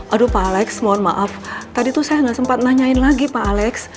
aduh pak alex mohon maaf tadi tuh saya nggak sempat nanyain lagi pak alex